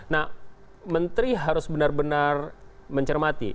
nah menteri harus benar benar mencermati